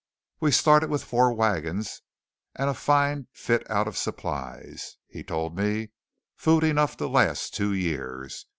"We started with four wagons and a fine fit out of supplies," he told me "food enough to last two years.